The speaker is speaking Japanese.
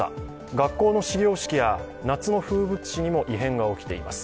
学校の始業式や夏の風物詩にも異変が起きています。